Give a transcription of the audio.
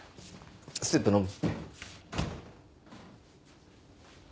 スープ飲む？